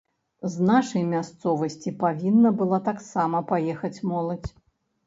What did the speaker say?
З нашай мясцовасці павінна была таксама паехаць моладзь.